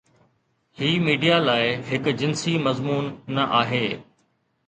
هي media لاء هڪ جنسي مضمون نه آهي.